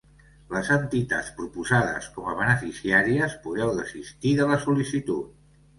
Les entitats proposades com a beneficiàries podeu desistir de la sol·licitud.